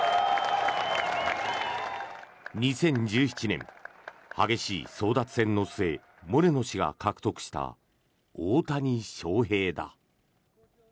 ２０１７年、激しい争奪戦の末モレノ氏が獲得した大谷翔平だ。